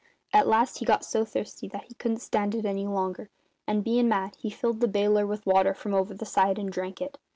At last he got so thirsty that he couldn't stand it any longer, and, bein' mad, he filled the baler with water from over the side, and drank it.